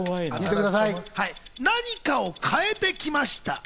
何かを変えてきました。